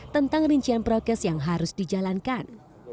tentang rincian prokes yang harus dijalankan